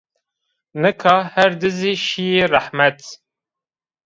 Nika her di zî şîyî rehmet